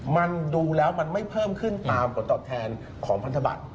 มันดูแล้วมันไม่เพิ่มขึ้นตามผลตอบแทนของพันธบัตร